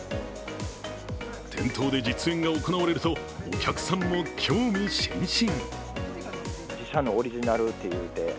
店頭で実演が行われるとお客さんも興味津々。